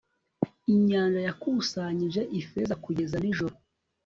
Inyanja yakusanyije ifeza kugeza nijoro